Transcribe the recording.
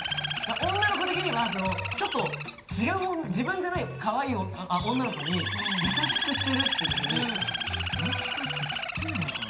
女の子的にはちょっと自分じゃない、かわいい女の子に優しくしてるってときに、もしかして好きなのかな、